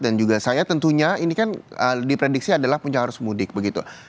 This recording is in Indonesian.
dan juga saya tentunya ini kan diprediksi adalah puncak arus mudik begitu